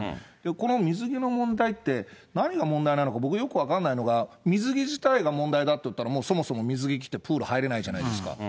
この水着の問題って、何が問題なのか、僕よく分からないのが、水着自体が問題だっていったら、もうそもそも水着着てプール入れないじゃないですか。